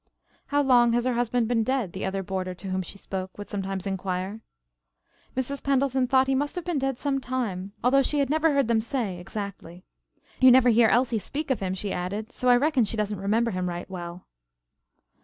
"How long has her husband been dead?" the other boarder to whom she spoke would sometimes inquire. Mrs. Pendleton thought he must have been dead some time, although she had never heard them say, exactly. "You never hear Elsie speak of him," she added, "so I reckon she doesn't remember him right well."